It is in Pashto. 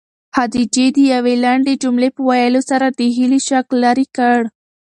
خدیجې د یوې لنډې جملې په ویلو سره د هیلې شک لیرې کړ.